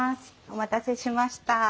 お待たせしました。